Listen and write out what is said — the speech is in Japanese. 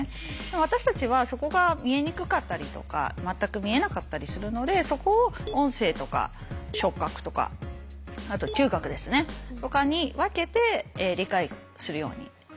私たちはそこが見えにくかったりとか全く見えなかったりするのでそこを音声とか触覚とかあと嗅覚ですねとかに分けて理解するようにしてます。